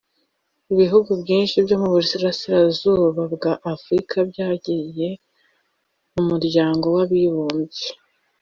Ibihugu byinshi byo muburasirazuba bwa africa byagiye mumuryango wabibumbye